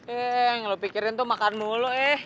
eh yang lu pikirin tuh makan mulu eh